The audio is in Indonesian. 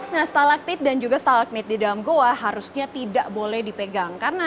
nah stalaktik dan juga stalec mid di dalam gua harusnya tidak boleh dipegang karena